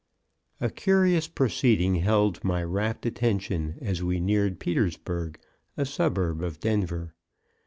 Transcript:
_ A curious proceeding held my rapt attention as we neared Petersburg, a suburb of Denver.